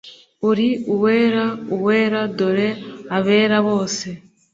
Uri uwera Uwera; dore abera bose,